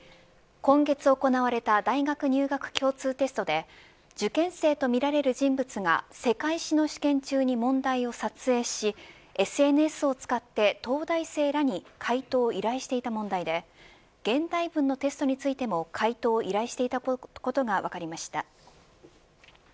今月行われた大学入学共通テストで受験生とみられる人物が世界史の試験中に問題を撮影しＳＮＳを使って東大生らに回答を依頼していた問題で現代文のテストについても回答を依頼していたことが分かりました。